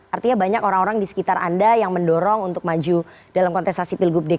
artinya banyak orang orang di sekitar anda yang mendorong untuk maju dalam kontestasi pilgub dki